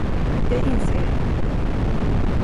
Det inser jag.